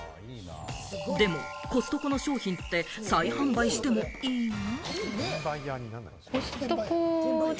でも、コストコの商品って再販売してもいいの？